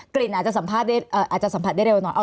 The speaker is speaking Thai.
กลิ่นอาจจะสัมภาษณ์ได้เร็วหน่อย